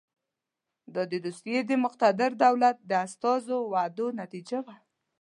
دا د روسیې د مقتدر دولت د استازو د وعدو نتیجه وه.